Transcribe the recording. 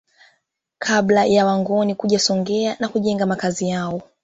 Kabla ya Wangoni kuja Songea na kujenga Makazi yao